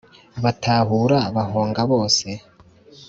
batahura bahonga bose